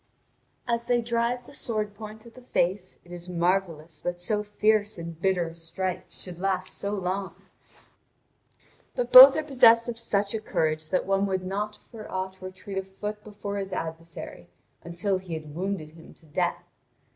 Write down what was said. As they drive the sword point at the face, it is marvellous that so fierce and bitter a strife should last so long. But both are possessed of such courage that one would not for aught retreat a foot before his adversary until he had wounded him to death.